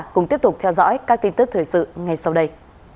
cùng tiếp tục theo dõi các tin tức thời sự ngay sau đây